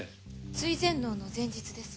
追善能の前日です。